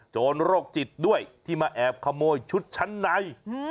โรคจิตด้วยที่มาแอบขโมยชุดชั้นใน